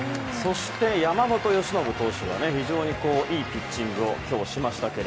山本由伸投手も非常にいいピッチングをしました。